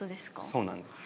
◆そうなんです。